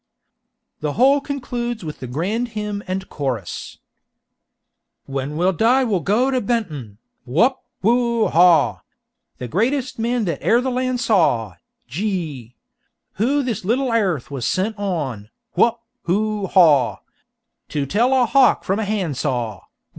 The whole concludes with the grand hymn and chorus: "When we die we'll go to Benton, Whup! Whoo, haw! The greatest man that e'er land saw, Gee! Who this little airth was sent on Whup! Whoo, haw! To tell a 'hawk from a handsaw!'